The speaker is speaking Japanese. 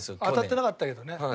当たってなかったけどね。